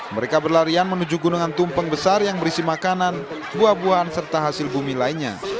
mereka berlarian menuju gunungan tumpeng besar yang berisi makanan buah buahan serta hasil bumi lainnya